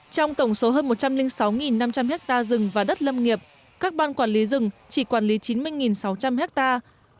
trong tổng số hơn một trăm linh sáu năm trăm linh hectare rừng và đất lâm nghiệp các ban quản lý rừng chỉ quản lý chín mươi sáu trăm linh hectare